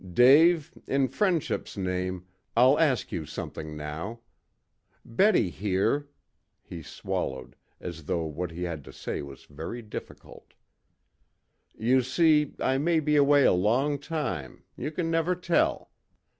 "Dave in friendship's name I'll ask you something now. Betty here," he swallowed, as though what he had to say was very difficult. "You see, I may be away a long time, you can never tell.